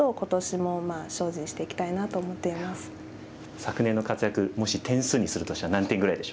もし点数にするとしたら何点ぐらいでしょうか？